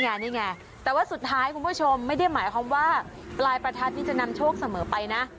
นี่ไงแต่ว่าสุดท้ายคุณผู้ชมไม่ได้หมายความว่าปลายประทัดนี่จะนำโชคเสมอไปนะ